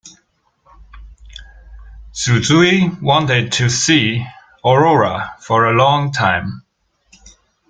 Suzui wanted to see aurora for a long time.